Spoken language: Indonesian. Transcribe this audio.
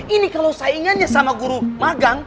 ini kalau saingannya sama guru magang